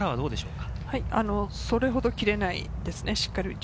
それほど切れないですね。